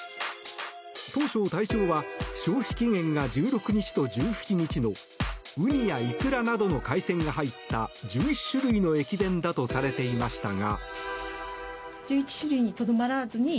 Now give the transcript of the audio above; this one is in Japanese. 当初、対象は消費期限が１６日と１７日のウニやイクラなどの海鮮が入った１１種類の駅弁だとされていましたが。